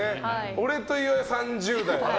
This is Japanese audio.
俺と岩井は３０代。